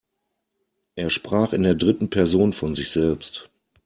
Er sprach in der dritten Person von sich selbst.